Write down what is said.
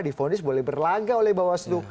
difonis boleh berlangga oleh bawaslu